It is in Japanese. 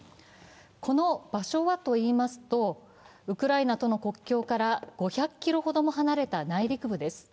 この場所はといいますとウクライナとの国境から５００ｋｍほど離れた内陸部です。